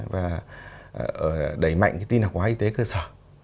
và đẩy mạnh cái tin học hóa y tế cơ sở